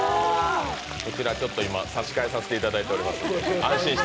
今、差し替えさせていただいております。